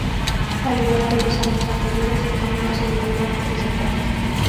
Al igual que en los años anteriores, el torneo se divide en tres etapas.